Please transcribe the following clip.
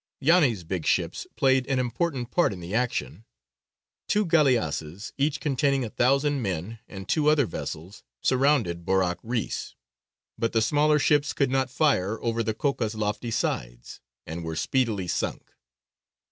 Yāni's big ships played an important part in the action. Two galleasses, each containing a thousand men, and two other vessels, surrounded Borāk Reïs, but the smaller ships could not fire over the koka's lofty sides, and were speedily sunk.